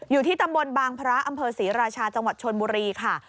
อยู่ที่ตำบลบางพระอำเภอศรีราชาจังหวัดชนบุรีค่ะ